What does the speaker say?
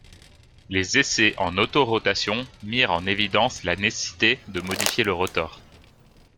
Les essais en autorotation mirent en évidence la nécessité de modifier le rotor.